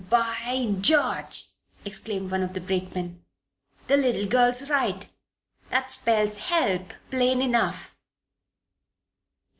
"By George!" exclaimed one of the brakemen. "The little girl's right. That spells 'Help!' plain enough."